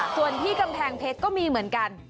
ส่วนที่กำแพงเพชรก็มีเหมือนกัน